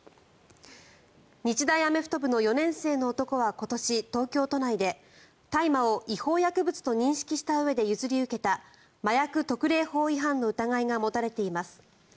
日大アメフト部の４年生の男は今年東京都内で大麻を違法薬物と認識したうえで譲り受けた麻薬特例法違反の疑いが持たれています。